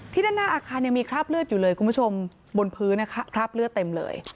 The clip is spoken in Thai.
ด้านหน้าอาคารยังมีคราบเลือดอยู่เลยคุณผู้ชมบนพื้นนะครับคราบเลือดเต็มเลย